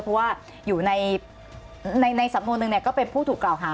เพราะว่าอยู่ในสำนวนหนึ่งก็เป็นผู้ถูกกล่าวหา